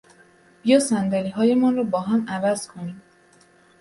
بیا صندلیهایمان را با هم عوض کنیم!